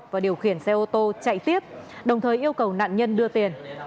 và điều khiển xe ô tô chạy tiếp đồng thời yêu cầu nạn nhân đưa tiền